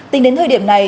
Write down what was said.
tính đến thời điểm này